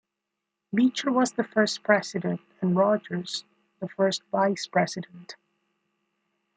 Beecher was the first president and Rogers the first vice-president.